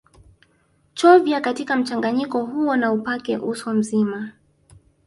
Chovya katika mchanganyiko huo na upake uso mzima